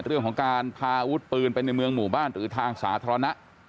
เรื่องของการพาอาวุธปืนไปในเมืองหมู่บ้านหรือทางสาธารณะ